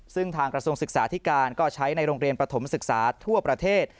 ซึ่งทางกระทรวงศึกษาธิการก็ใช้ในโรงเรียนประถมศึกษาทั่วประเทศ